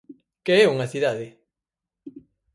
Que é unha cidade?